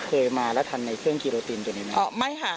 เคยมาแล้วทันในเครื่องกีโยตินเป็นไงอ๋อไม่ค่ะ